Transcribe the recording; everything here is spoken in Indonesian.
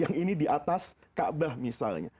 yang ini di atas kaabah misalnya